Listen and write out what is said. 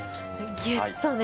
ぎゅっとね。